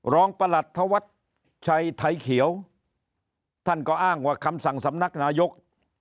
ประหลัดธวัชชัยไทยเขียวท่านก็อ้างว่าคำสั่งสำนักนายก